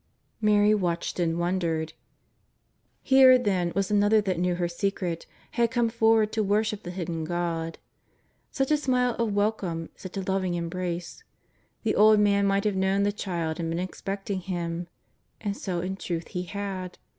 Mary watched and wondered. JESUS OF NAZARETH. 75 Here, then, was another that knew her secret, and had come forward to worship the Hidden God. Such a smile of welcome, such a loving embrace ! the old man might have known the Child and been expecting Him. And so in truth he had.